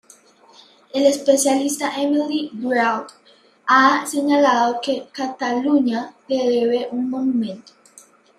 El especialista Emili Giralt ha señalado que "Cataluña le debe un monumento".